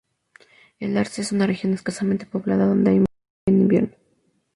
El Harz es una región escasamente poblada donde hay mucha nieve en invierno.